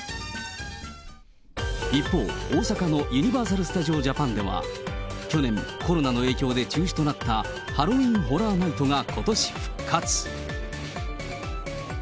一方、大阪のユニバーサル・スタジオ・ジャパンでは去年、コロナの影響で中止となった、ハロウィーン・ホラーナイトがことし復活。